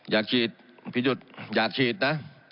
อยากฉีดอยากฉีดนะ